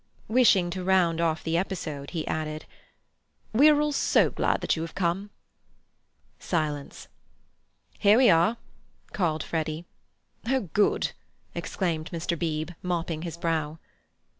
Wishing to round off the episode, he added; "We are all so glad that you have come." Silence. "Here we are!" called Freddy. "Oh, good!" exclaimed Mr. Beebe, mopping his brow.